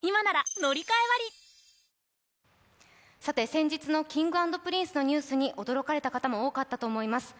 先日のＫｉｎｇ＆Ｐｒｉｎｃｅのニュースに驚かれた方も多かったかと思います。